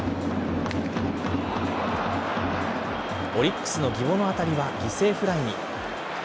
オリックスの宜保の当たりは犠牲フライに。